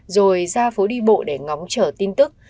rồi ra phố đi bộ để ngóng trở tin tức